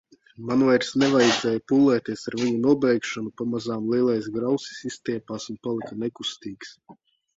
Man vairs nevajadzēja pūlēties ar viņa nobeigšanu, pamazām lielais garausis izstiepās un palika nekustīgs.